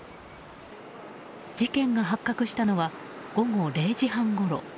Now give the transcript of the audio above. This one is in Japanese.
事件が発覚したのは午後０時半ごろ。